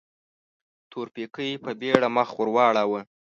تورپيکۍ په بيړه مخ ور واړاوه.